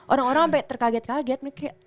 orang orang sampai terkaget kaget